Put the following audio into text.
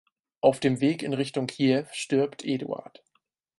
Auf dem Weg in Richtung Kiew stirbt Eduard.